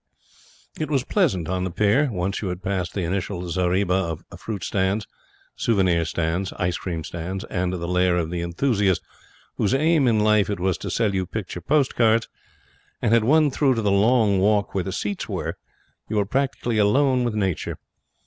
It was pleasant on the pier. Once you had passed the initial zareba of fruit stands, souvenir stands, ice cream stands, and the lair of the enthusiast whose aim in life it was to sell you picture post cards, and had won through to the long walk where the seats were, you were practically alone with Nature.